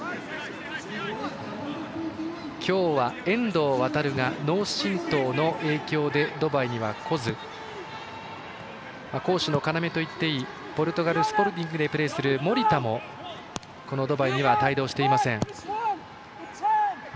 今日は遠藤航が脳震とうの影響でドバイには来ず攻守の要といっていいポルトガルスポルティングでプレーする守田もこのドバイには帯同していません。